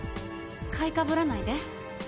買いかぶらないで。